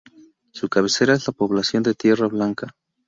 Su cabecera es la población de Tierra Blanca.